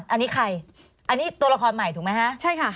อันนี้ใครอันนี้ตัวละครใหม่ถูกไหมคะใช่ค่ะ